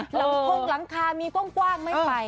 ข้องหลังคามีป้องกว้างไม่ไป